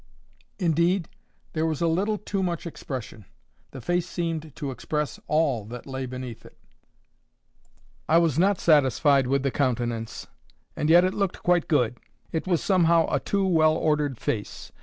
Indeed, there was a little too much expression. The face seemed to express ALL that lay beneath it. I was not satisfied with the countenance; and yet it looked quite good. It was somehow a too well ordered face.